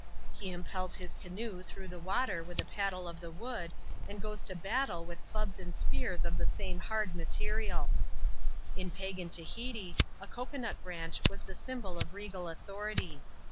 He impels his canoe through the water with a paddle of the wood, and goes to battle with clubs and spears of the same hard materiaL In pagan Tahiti, a cocoa nut branch was the symbol of regal authority.